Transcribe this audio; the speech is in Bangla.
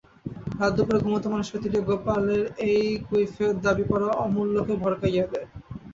রাতদুপুরে ঘুমন্ত মানুষকে তুলিয়া গোপালের এই কৈফিয়ত দাবি করা অমূল্যকে ভড়কাইয়া দেয়।